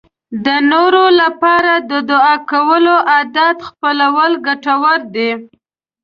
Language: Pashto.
د نورو لپاره د دعا کولو عادت خپلول ګټور دی.